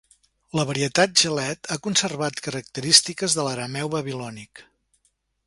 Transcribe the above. La varietat Gelet ha conservat característiques de l'Arameu Babilònic.